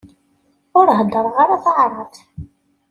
Ur heddreɣ ara taɛrabt.